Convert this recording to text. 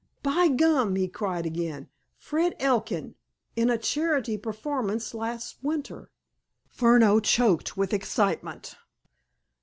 "By gum!" he cried again. "Fred Elkin—in a charity performance last winter." Furneaux choked with excitement.